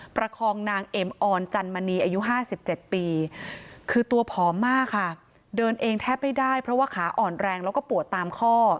ประคองนางเอ็มออนจันมณีอายุ๕๗ปีคือตัวผอมมากค่ะเดินเองแทบไม่ได้เพราะว่าขาอ่อนแรงแล้วก็ปวดตามข้อ